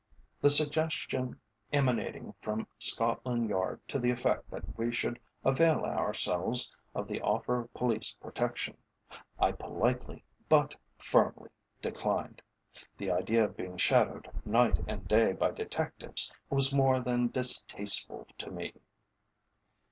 The suggestion emanating from Scotland Yard to the effect that we should avail ourselves of the offer of police protection, I politely, but firmly declined. The idea of being shadowed night and day by detectives was more than distasteful to me.